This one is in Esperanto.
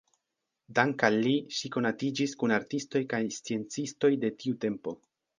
Dank‘ al li ŝi konatiĝis kun artistoj kaj sciencistoj de tiu tempo.